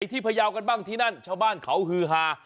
พยาวกันบ้างที่นั่นชาวบ้านเขาฮือฮา